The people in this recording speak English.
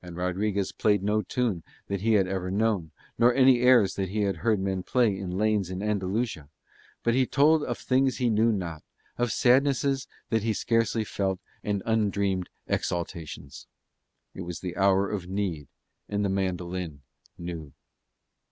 And Rodriguez played no tune he had ever known, nor any airs that he had heard men play in lanes in Andalusia; but he told of things that he knew not, of sadnesses that he had scarcely felt and undreamed exaltations. It was the hour of need, and the mandolin knew.